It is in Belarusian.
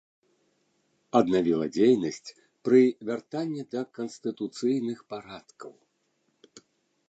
Аднавіла дзейнасць пры вяртанні да канстытуцыйных парадкаў.